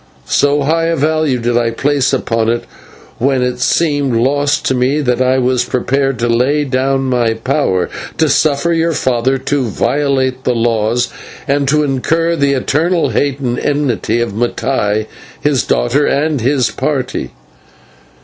So high a value did I place upon it when it seemed lost to me, that I was prepared to lay down my power, to suffer your father to violate the laws, and to incur the eternal hate and active enmity of Mattai, his daughter, and his party.